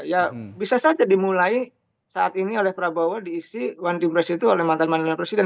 ya bisa saja dimulai saat ini oleh prabowo diisi one team press itu oleh mantan mantan presiden